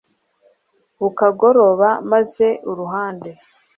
Bukagoroba maze uruhande